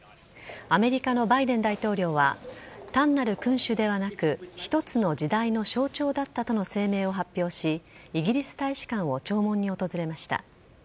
アメリカのバイデン大統領は単なる君主ではなく一つの時代の象徴だったとの声明を発表しイギリス大使館を弔問に訪れました。